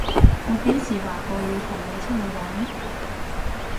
我幾時話過要同你出去玩？